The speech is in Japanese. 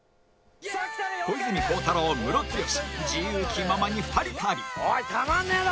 小泉孝太郎、ムロツヨシ「自由気ままに２人旅」。